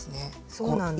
そうなんです。